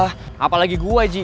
wah apalagi gue ji